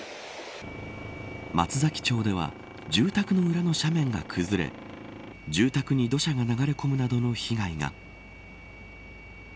松崎町では住宅の裏の斜面が崩れ住宅に土砂が流れ込むなど被害が。